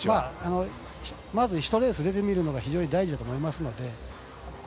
まず１レース出てみるのが非常に大事だと思いますので。